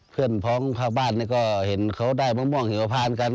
เพื่อนพร้อมชาวบ้านก็เห็นเขาได้มะม่วงหิมพานกัน